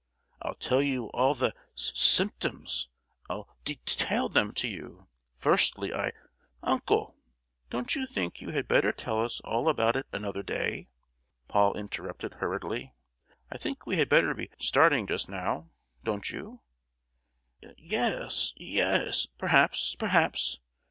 I'll tell you all the sy—symptoms! I'll de—detail them to you. Firstly I—" "Uncle, don't you think you had better tell us all about it another day?" Paul interrupted hurriedly. "I think we had better be starting just now, don't you?" "Yes—yes, perhaps, perhaps.